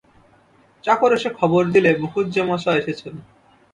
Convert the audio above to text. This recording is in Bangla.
চাকর এসে খবর দিলে মুখুজ্যেমশায় এসেছেন।